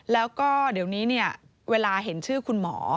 แล้วก็เดี๋ยวนี้เวลาเห็นชื่อคุณหมอ